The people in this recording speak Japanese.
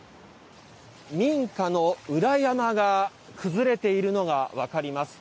民家の裏山が崩れているのが分かります。